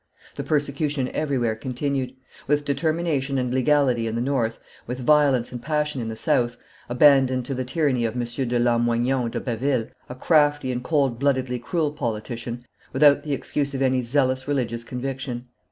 The persecution everywhere continued, with determination and legality in the north, with violence and passion in the south, abandoned to the tyranny of M. de Lamoignon de Baville, a crafty and cold bloodedly cruel politician, without the excuse of any zealous religious conviction.